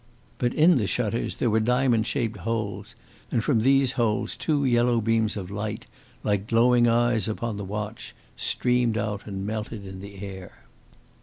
But in the shutters there were diamond shaped holes, and from these holes two yellow beams of light, like glowing eyes upon the watch, streamed out and melted in the air.